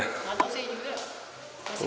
enggak sih juga